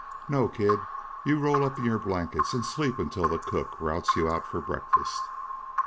No kid, you roll up in your blankets and sleep until the cook routs you out for breakfast."